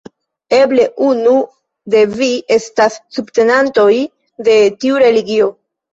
Eble unu de vi estas subtenantoj de tiu religio.